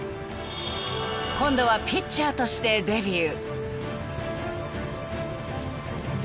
［今度はピッチャーとしてデビュー］